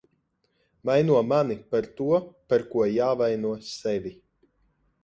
Vaino mani par to, par ko jāvaino sevi.